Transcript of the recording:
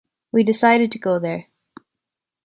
We decided to go there.